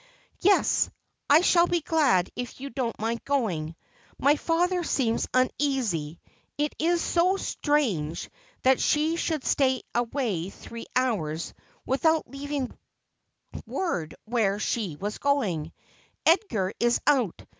' Yes, I shall be glad, if you don't mind going. My father seems uneasy. It is so strange that she should stay away three hours without leaving word where she was going. Edgar is out.